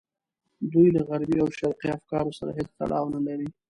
دوی له غربي او شرقي افکارو سره هېڅ تړاو نه لري.